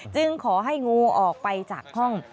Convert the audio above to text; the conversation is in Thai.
จึงขอให้งูออกไปจากห้อง